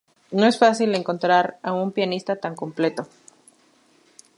No es fácil encontrar a un pianista tan completo.